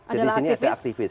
dan di sini ada aktivis